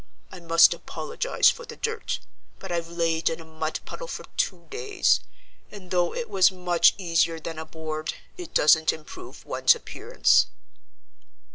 I must apologize for the dirt, but I've laid in a mud puddle for two days; and, though it was much easier than a board, it doesn't improve one's appearance."